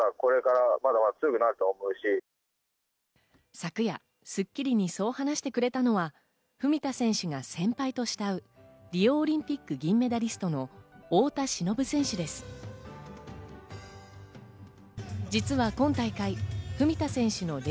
昨夜『スッキリ』にそう話してくれたのは、文田選手が先輩と慕うリオオリンピック銀メダリストの太田忍選手です。